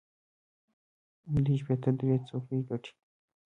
دوی شپېته درې څوکۍ ګټلې.